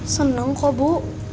seneng kok bu